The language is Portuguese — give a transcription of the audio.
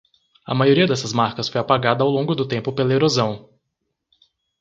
A maioria dessas marcas foi apagada ao longo do tempo pela erosão